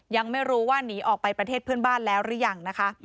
ยังไม่รู้ว่าหนีออกไปประเทศเพื่อนบ้านแล้วหรือยังนะคะ